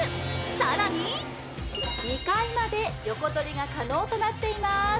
さらに２回まで横取りが可能となっています